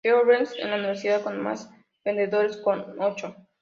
Georgetown es la universidad con más vencedores, con ocho.